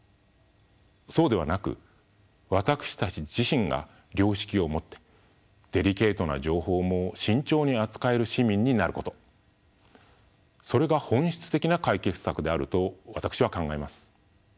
そうではなく私たち自身が良識を持ってデリケートな情報も慎重に扱える市民になることそれが本質的な解決策であると私は考えます。